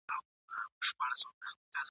زه تر مور او پلار پر ټولو مهربان یم !.